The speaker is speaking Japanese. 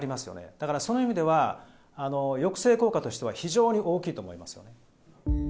だから、その意味では、抑制効果としては非常に大きいと思いますよね。